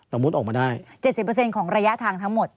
ต้องมุดออกมาได้๗๐เปอร์เซ็นต์ของระยะทางทั้งหมด